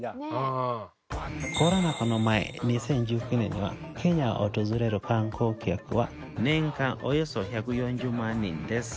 コロナ禍の前２０１９年にはケニアを訪れる観光客は年間およそ１４０万人です。